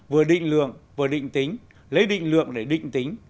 vừa định lượng vừa định tính lấy định lượng để định tính